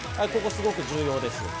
ここ、すごく重要です。